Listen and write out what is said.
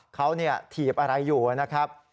เขาถีบอะไรอยู่นะครับ